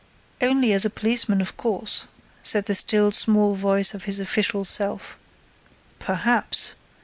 "Only as a policeman, of course," said the still, small voice of his official self. "Perhaps!"